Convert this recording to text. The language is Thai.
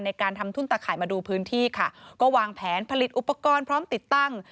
ในการทำทุ่นตะข่ายมาดูพื้นที่ค่ะก็วางแผนผลิตอุปกรณ์พร้อมติดตั้ง